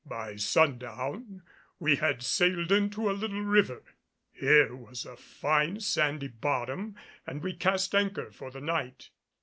By sundown we had sailed into a little river. Here was a fine sandy bottom, and we cast anchor for the night.